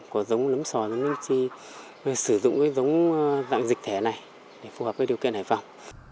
của giống nấm sò nấm linh chi sử dụng giống dạng dịch thể này phù hợp điều kiện hải phòng